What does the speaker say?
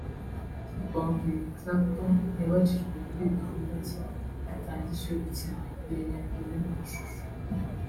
Kibonge Clapton yabajijwe kuri iyi gahunda nshya atangije yo gukina urwenya ruri mu mashusho